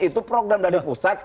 itu program dari pusat